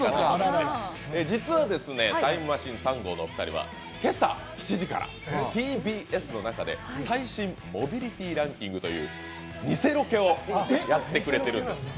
実はタイムマシーン３号の２人は今朝７時からＴＢＳの中で最新モビリティランキングという偽ロケをやってくれています。